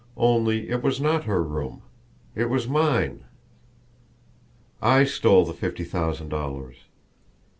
Only it was not her room it was mine! I stole the fifty thousand dollars!